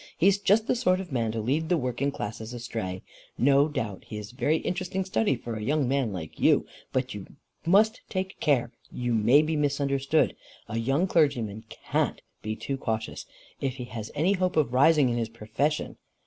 He's just the sort of man to lead the working classes astray. No doubt he is a very interesting study for a young man like you, but you must take care; you may be misunderstood. A young clergyman CAN'T be too cautious if he has any hope of rising in his profession.